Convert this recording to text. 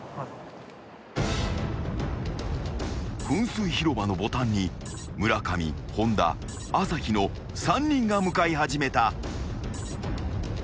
［噴水広場のボタンに村上本田朝日の３人が向かい始めた］